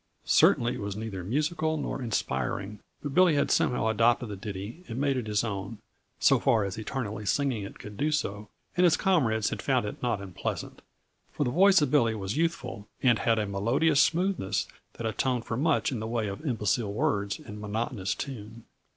Certainly it was neither musical nor inspiring, but Billy had somehow adopted the ditty and made it his own, so far as eternally singing it could do so, and his comrades had found it not unpleasant; for the voice of Billy was youthful, and had a melodious smoothness that atoned for much in the way of imbecile words and monotonous tune.